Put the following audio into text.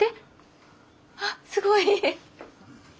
あすごい。